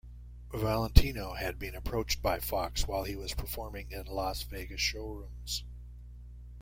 Valentino had been approached by Fox while he was performing in Las Vegas showrooms.